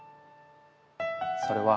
それは。